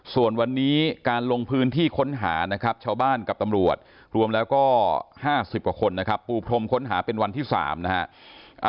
ส่วนวันนี้การลงพื้นที่ค้นหานะครับชาวบ้านกับตำรวจรวมแล้วก็๕๐กว่าคนนะครับปูพรมค้นหาเป็นวันที่๓นะฮะ